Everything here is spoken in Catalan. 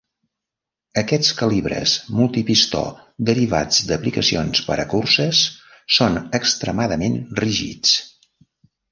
Aquests calibres multi-pistó derivats d'aplicacions per a curses, són extremadament rígids.